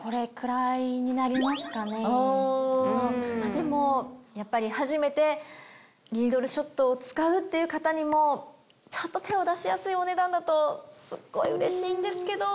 でも初めてリードルショットを使うっていう方にもちょっと手を出しやすいお値段だとすっごいうれしいんですけど。